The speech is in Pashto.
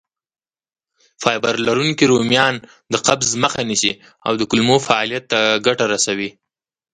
فایبر لرونکي رومیان د قبض مخه نیسي او د کولمو فعالیت ته ګټه رسوي.